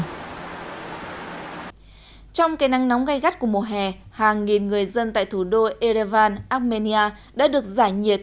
trong cây nắng nóng gây gắt của mùa hè hàng nghìn người dân tại thủ đô erevan armenia đã được giải nhiệt